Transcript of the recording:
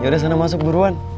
yaudah sana masuk buruan